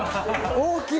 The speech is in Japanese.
大きい！